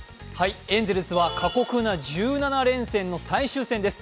エンゼルスは過酷な１７連戦の最終戦です。